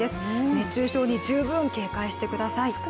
熱中症に十分警戒してください。